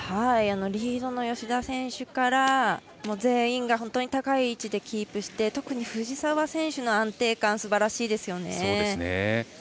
リードの吉田選手から全員が本当に高い位置でキープして、特に藤澤選手の安定感がすばらしいですね。